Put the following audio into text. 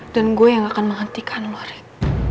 dan gue yang akan menghentikan lo rick